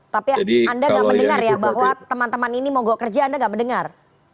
tapi anda nggak mendengar ya bahwa teman teman ini mau go kerja anda nggak mendengar